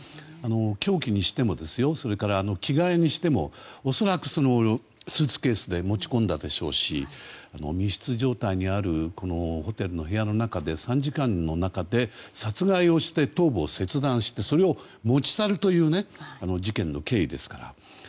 凶器にしてもそれから着替えにしても恐らく、スーツケースで持ち込んだでしょうし密室状態にあるこのホテルの部屋の中で３時間の中で殺害をして頭部を切断してそれを持ち去るという事件の経緯ですから。